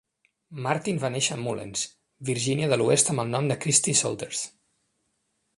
Martin va néixer a Mullens, Virginia de l'Oest amb el nom de Christy Salters.